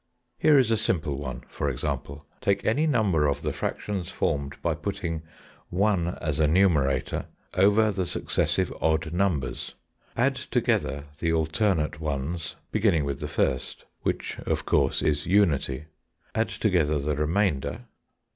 Here is a simple one, for example:—Take any number of the fractions formed by putting one as a numerator over the successive odd numbers. Add together the alternate ones beginning with the first, which, of course, is unity. Add together the remainder.